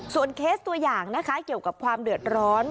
เคสตัวอย่างนะคะเกี่ยวกับความเดือดร้อน